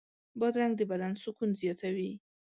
بادرنګ د بدن سکون زیاتوي.